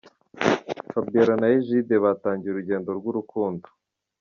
Fabiola na Egide batangiye urugendo rw'urukundo.